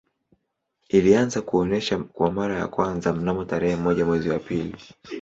Ilianza kuonesha kwa mara ya kwanza mnamo tarehe moja mwezi wa pili